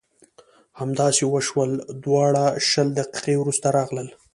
همداسې وشول دواړه شل دقیقې وروسته راغلل.